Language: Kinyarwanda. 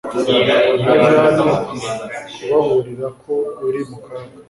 naje hano kubaburira ko uri mu kaga